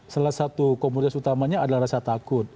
salah satu komunitas utamanya adalah rasa takut